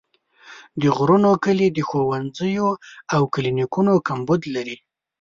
د غرونو کلي د ښوونځیو او کلینیکونو کمبود لري.